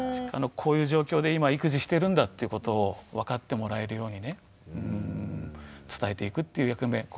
こういう状況で今育児してるんだということを分かってもらえるようにね伝えていくという役目。